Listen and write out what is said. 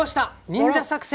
「忍者作戦！」。